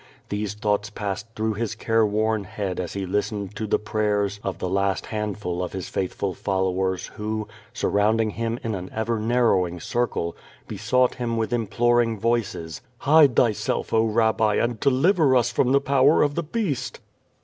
These thoughts passed through his careworn head as he lis tened to the prayers of the last handful of his faithful fol lowers, who, surrounding him in an ever narrowing circle, be sought him with imploring voices: "Hide thyself, oh. Rabbi, and deliver us from the power of the Beast."